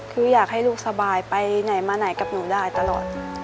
คืออยากให้ลูกสบายไปไหนมาไหนกับหนูได้ตลอด